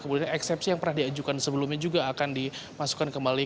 kemudian eksepsi yang pernah diajukan sebelumnya juga akan dimasukkan kembali